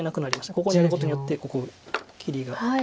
ここにあることによってここ切りが。